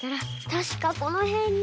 たしかこのへんに。